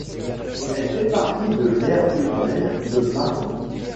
Elle fait partie de l'aire urbaine de Mâcon.